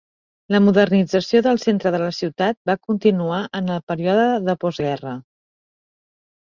La modernització del centre de la ciutat va continuar en el període de postguerra.